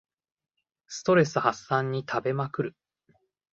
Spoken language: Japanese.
ストレス発散に食べまくる